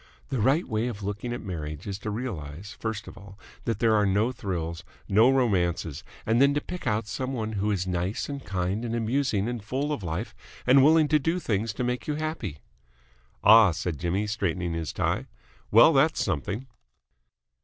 The right way of looking at marriage is to realise, first of all, that there are no thrills, no romances, and then to pick out some one who is nice and kind and amusing and full of life and willing to do things to make you happy." "Ah!" said Jimmy, straightening his tie, "Well, that's something."